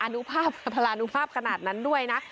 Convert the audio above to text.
นุภาพพลานุภาพขนาดนั้นด้วยนะ